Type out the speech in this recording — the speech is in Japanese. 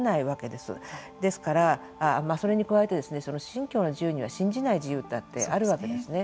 ですから、それに加えて信教の自由には信じない自由だってあるわけですね。